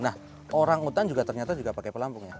nah orang utan juga ternyata juga pakai pelampung ya